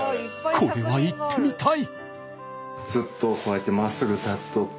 これは行ってみたい！